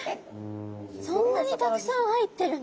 そんなにたくさん入ってるの？